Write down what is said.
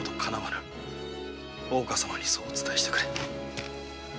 大岡様にそうお伝えしてくれ。